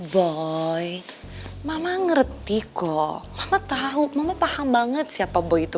boy mama ngerti kok mama tahu mama paham banget siapa boy itu